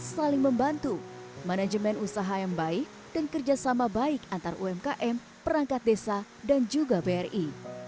saling membantu manajemen usaha yang baik dan kerjasama baik antar umkm perangkat desa dan juga bri